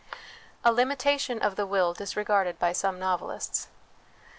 A Limitation of the Will disregarded by some Novelists.